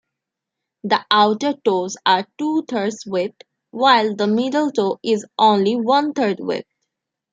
The outer toes are two-thirds webbed, while the middle toe is only one-third webbed.